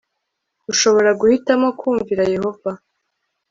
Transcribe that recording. ushobora guhitamo kumvira yehova